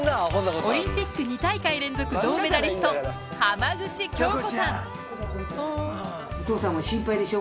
オリンピック２大会連続銅メダリスト浜口京子さん